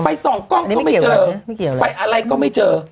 ไปส่องกล้องก็ไม่เจอ